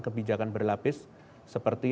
kebijakan berlapis seperti